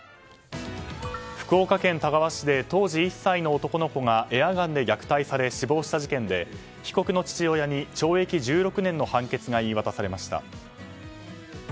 福岡県田川市で当時１歳の男の子がエアガンで虐待され死亡した事件で被告の父親に懲役１６年の判決が言い渡されました。